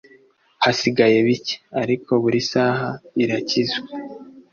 Hasigaye bike; ariko buri saha irakizwa